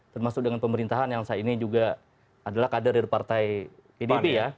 termasuk dengan pemerintahan yang saat ini juga adalah kader dari partai pdb ya